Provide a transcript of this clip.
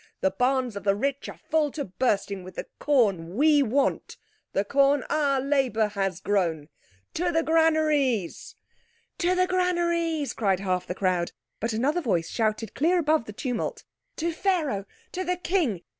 The barns of the rich are full to bursting with the corn we want, the corn our labour has grown. To the granaries!" "To the granaries!" cried half the crowd; but another voice shouted clear above the tumult, "To Pharaoh! To the King!